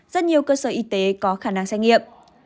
rất nhiều cơ sở y tế có khả năng xét nghiệm